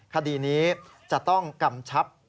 คดีนี้จะต้องกำชับ